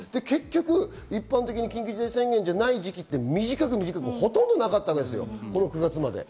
一般的に緊急事態宣言じゃない時期って短くて、ほとんどなかったわけですよ。